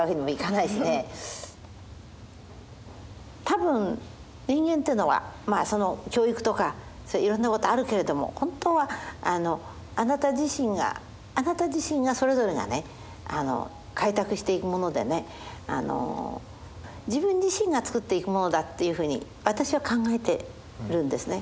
多分人間っていうのはまあその教育とかそういういろんなことあるけれども本当はあなた自身があなた自身がそれぞれがね開拓していくものでね自分自身がつくっていくものだっていうふうに私は考えてるんですね。